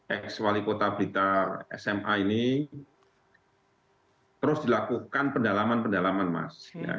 ex wali kota blitar sma ini terus dilakukan pendalaman pendalaman mas